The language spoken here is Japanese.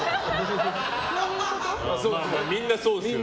みんなそうですよね。